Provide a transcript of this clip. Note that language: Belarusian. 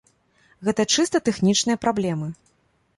Гэта чыста тэхнічныя праблемы.